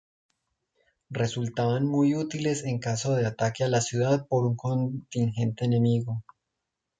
Resultaban muy útiles en caso de ataque a la ciudad por un contingente enemigo.